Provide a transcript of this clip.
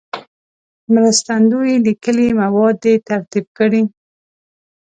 مرستندوی لیکلي مواد دې ترتیب کړي.